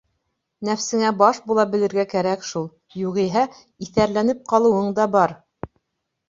Нәфсеңә баш була белергә кәрәк шул, юғиһә, иҫәрләнеп ҡалыуын да бар!